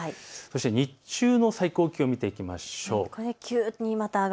日中の最高気温見ていきましょう。